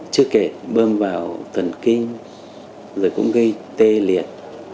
chưa kể bơm vào thần kinh rồi cũng gây tê liệt